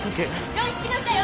・病院着きましたよ！